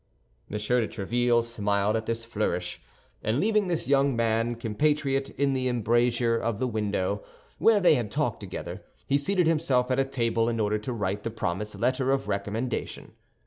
M. de Tréville smiled at this flourish; and leaving his young man compatriot in the embrasure of the window, where they had talked together, he seated himself at a table in order to write the promised letter of recommendation.